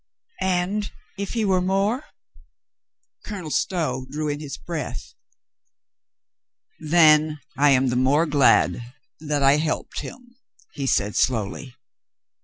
"And if he were more?" Colonel Stow drew in his breath. "Then — I am the more glad that I helped him," he said slowly.